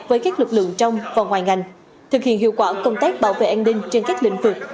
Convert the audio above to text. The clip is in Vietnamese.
với các lực lượng trong và ngoài ngành thực hiện hiệu quả công tác bảo vệ an ninh trên các lĩnh vực